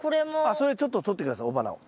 それちょっと取って下さい雄花を。